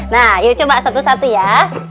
nah yuk coba satu satu ya